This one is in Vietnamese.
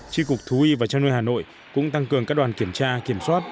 tri cục thú y và chăn nuôi hà nội cũng tăng cường các đoàn kiểm tra kiểm soát